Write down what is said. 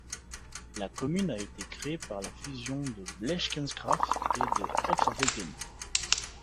La commune a été créée le par la fusion de Bleskensgraaf et de Hofwegen.